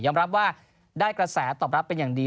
รับว่าได้กระแสตอบรับเป็นอย่างดี